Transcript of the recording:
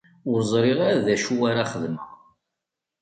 Ur ẓriɣ ara d acu ara xedmeɣ.